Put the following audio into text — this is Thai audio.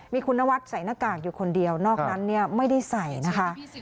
มีคุณนวัดใส่หน้ากากอยู่คนเดียวนอกนั้นไม่ได้ใส่นะคะ